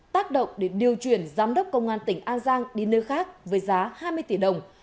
tác động để điều chuyển giám đốc công an tỉnh an giang đi nơi khác với giá hai mươi tỷ đồng